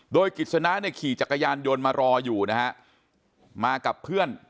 โดยกิจสนาเนี่ยขี่จักรยานยนต์มารออยู่นะฮะมากับเพื่อน